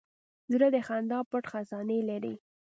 زړه د خندا پټ خزانې لري.